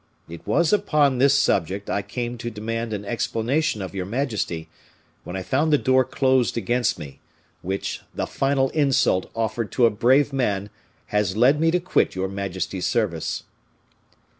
It was upon this subject I came to demand an explanation of your majesty, when I found the door closed against me, which, the final insult offered to a brave man, has led me to quit your majesty's service."